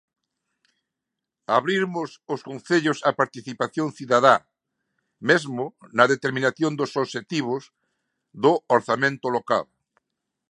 Abrirmos os concellos á participación cidadá, mesmo na determinación dos obxectivos do Orzamento local.